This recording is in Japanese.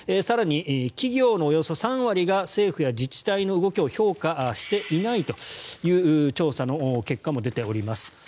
更に企業のおよそ３割が政府や自治体の動きを評価していないという調査の結果も出ております。